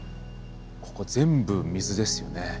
ここ全部水ですよね。